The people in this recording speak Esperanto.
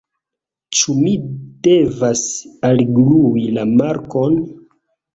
Ĉu mi devas alglui la markon?